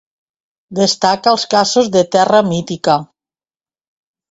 Destaca els casos de Terra Mítica.